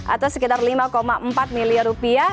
atau sekitar lima empat miliar rupiah